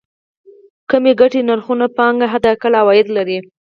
کمې ګټې نرخونو پانګه حداقل عواید لري.